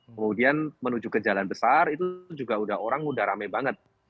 kemudian menuju ke jalan besar itu juga orang udah rame banget